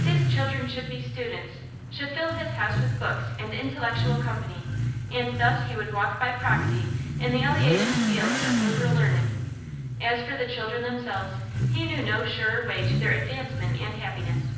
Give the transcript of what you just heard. His children should be students, should fill his house with books and intellectual company; and thus he would walk by proxy in the Elysian Fields of liberal learning. As for the children themselves, he knew no surer way to their advancement and happiness.